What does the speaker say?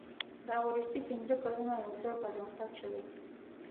دا وروستي پنځه کلونه یو څه پرمختګ شوی.